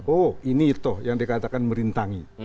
oh ini toh yang dikatakan merintangi